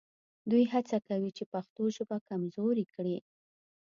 دوی هڅه کوي چې پښتو ژبه کمزورې کړي